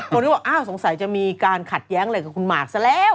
คนก็บอกอ้าวสงสัยจะมีการขัดแย้งอะไรกับคุณหมากซะแล้ว